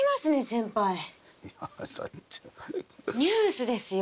ニュースですよ